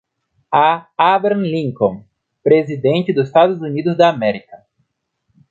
A Abraham Lincoln, Presidente dos Estados Unidos da América